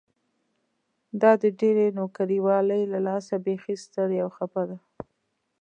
دا د ډېرې نوکري والۍ له لاسه بيخي ستړې او خپه ده.